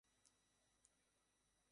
আমি তোমার তুফানে ধ্বংস না উর্বর হয়ে যাচ্ছি।